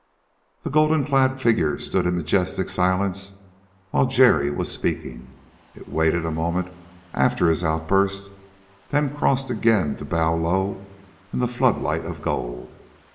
The golden clad figure stood in majestic silence while Jerry was speaking. It waited a moment after his outburst, then crossed again to bow low in the floodlight of gold.